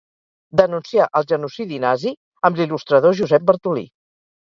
Denuncià el genocidi nazi amb l'il·lustrador Josep Bartolí.